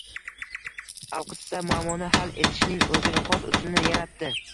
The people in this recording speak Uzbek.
Alqissa, muammoni hal etishning o‘ziga xos usulini yaratdi